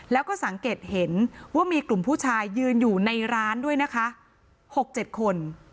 แล้วก็สังเกตเห็นว่ามีกลุ่มผู้ชายยืนอยู่ในร้านด้วยนะคะ๖๗คน